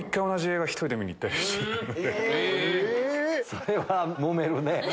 それはもめるね。